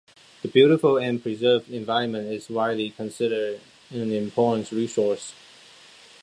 The beautiful and preserved environment is widely considered an important resource.